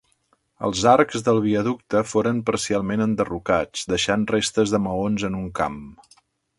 Els arcs del viaducte foren parcialment enderrocats, deixant restes de maons en un camp.